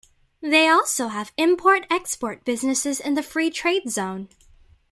They also have import-export businesses in the Free Trade Zone.